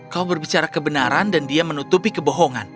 kau berbicara kebenaran dan dia menutupi kebohongan